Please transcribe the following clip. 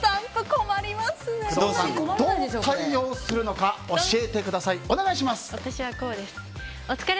工藤さん、どう対応するのか教えてください。